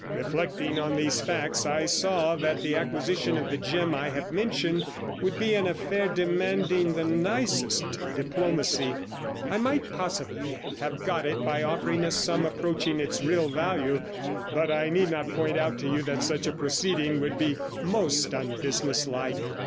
Reflecting on these facts, I saw that the acquisition of the gem I have mentioned would be an affair demanding the nicest diplomacy; I might possibly have got it by offering a sum approaching its real value, but I need not point out to you that such a proceeding would be most unbusinesslike.